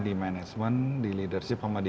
di management di leadership sama di